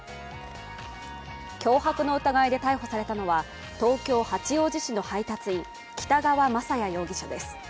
脅迫の疑いで逮捕されたのは東京・八王子市の配達員、北川真也容疑者です。